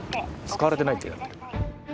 使われてないって。